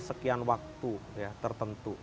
sekian waktu ya tertentu